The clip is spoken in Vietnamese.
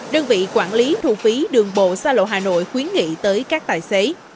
đơn vị quản lý thu phí đường bộ xa lộ hà nội khuyến nghị tới các tài xế